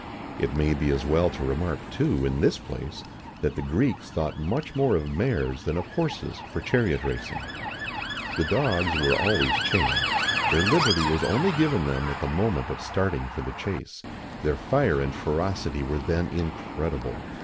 It may be as well to remark, too, in this place, that the Greeks thought much more of mares than of horses for chariot racing.[XIX 25] The dogs were always chained. Their liberty was only given them at the moment of starting for the chase.[XIX 26] Their fire and ferocity were then incredible.